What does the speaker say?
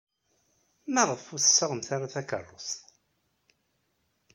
Maɣef ur d-tessaɣemt takeṛṛust?